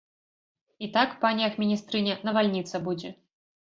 І так, пані ахмістрыня, навальніца будзе!